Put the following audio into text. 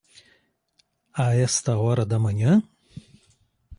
A esta hora da manhã?